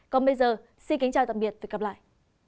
còn bây giờ xin kính chào tạm biệt và hẹn gặp lại